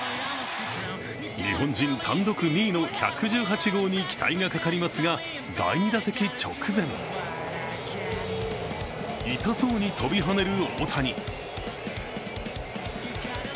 日本人単独２位の１１８号に期待がかかりますが第２打席直前痛そうに跳びはねる大谷。